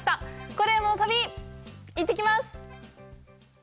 「コレうまの旅」、行ってきます。